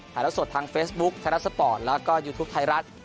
ละสดทางเฟซบุ๊คไทยรัฐสปอร์ตแล้วก็ยูทูปไทยรัฐ